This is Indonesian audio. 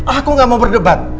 aku gak mau berdebat